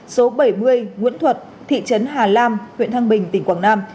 số bảy mươi nguyễn thuật thị trấn hà lam huyện thăng bình tỉnh quảng nam